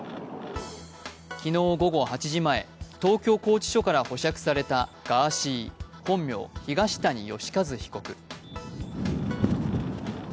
昨日午後８時前、東京拘置所から保釈されたガーシー、本名・東谷義和被告。